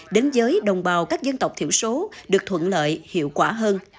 đến giới đồng bào các dân tộc thiểu số được thuận lợi hiệu quả hơn